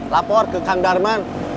lapor ke kang darman